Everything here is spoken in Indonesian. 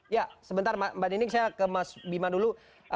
ya sebentar mbak nining saya ke mas bima dulu